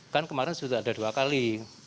kan kemarin sudah ada dua kali